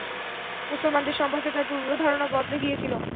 মুসলমানদের সম্পর্কে তার পূর্বধারণা বদলে গিয়েছিল।